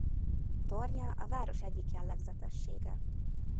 Tornya a város egyik jellegzetessége.